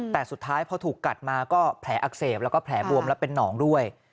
แต่สุดท้ายพอถูกกัดมาก็แผลอักเสบแล้วก็แผลบวมและเป็นหนองด้วย